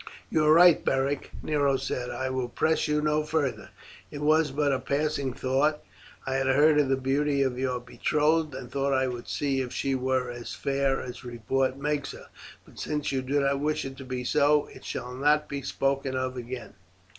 "You are right, Beric," Nero said. "I will press you no farther; it was but a passing thought. I had heard of the beauty of your betrothed, and though I would see if she were as fair as report makes her; but since you do not wish it to be so, it shall not be spoken of again."